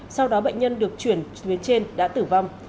sau đó bệnh nhân được chuyển tuyến trên đã tử vong